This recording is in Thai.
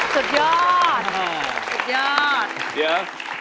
สุดยอดสุดยอดเดี๋ยว